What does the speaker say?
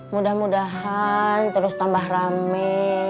mudah mudahan terus tambah rame